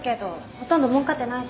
ほとんどもうかってないし。